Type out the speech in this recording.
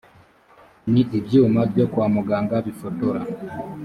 ni ibyuma byo kwa muganga bifotora